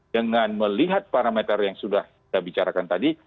dengan melihat parameter yang sudah kita bicarakan tadi